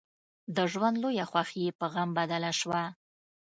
د ژوند لويه خوښي يې په غم بدله شوه.